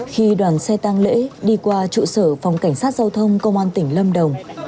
khi đoàn xe tăng lễ đi qua trụ sở phòng cảnh sát giao thông công an tỉnh lâm đồng